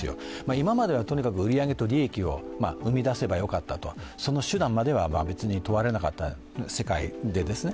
今まではとにかく売り上げと利益を生み出せばよかったと、その手段までは別に問われなかった世界でですね。